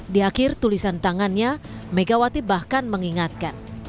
di akhir tulisan tangannya megawati bahkan mengingatkan